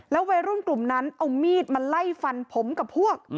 วัยรุ่นกลุ่มนั้นเอามีดมาไล่ฟันผมกับพวก